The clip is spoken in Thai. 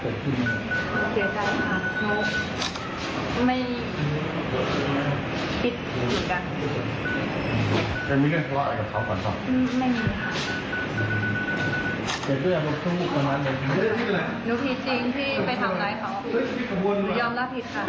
ขอโทษที่พิธีค่ะ